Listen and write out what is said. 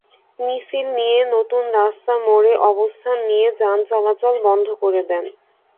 মিছিল নিয়ে নতুন রাস্তা মোড়ে অবস্থান নিয়ে যান চলাচল বন্ধ করে দেন।